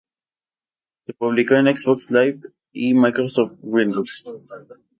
Se publicó en Xbox Live y Microsoft Windows.